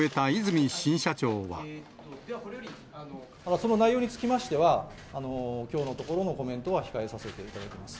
その内容につきましては、きょうのところのコメントは控えさせていただきます。